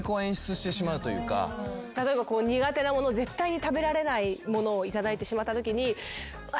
例えば苦手なもの絶対に食べられないものを頂いてしまったときに。